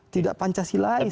tidak panca silais